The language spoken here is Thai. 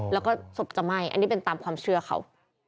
แล้วก็ศพจะไหม้อันนี้เป็นตามความเชื่อเขา